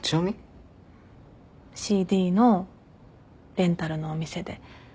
ＣＤのレンタルのお店で。